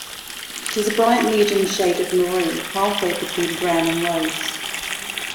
It is a bright medium shade of maroon halfway between brown and rose.